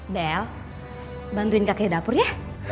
bel bantuin kakek dapur ya